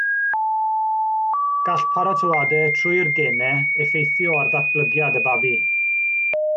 Gall paratoadau trwy'r genau effeithio ar ddatblygiad y babi.